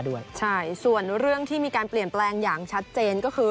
ด้วยใช่ส่วนเรื่องที่มีการเปลี่ยนแปลงอย่างชัดเจนก็คือ